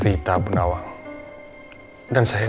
nanti aku akan nanya